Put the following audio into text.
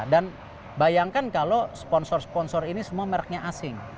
dan bayangkan kalau sponsor sponsor ini semua merknya asing